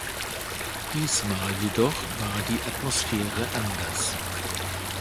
Diesmal jedoch war die Atmosphäre anders.